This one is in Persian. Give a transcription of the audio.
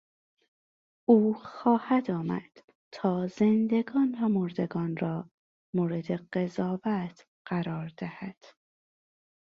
او خواهد آمد تا زندگان و مردگان را مورد قضاوت قرار دهد.